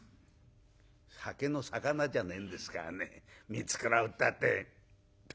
「酒の肴じゃねえんですからね見繕うったって。